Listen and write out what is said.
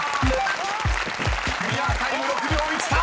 ［クリアタイム６秒１３］